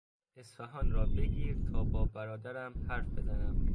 اصفهان را بگیر تا با برادرم حرف بزنم!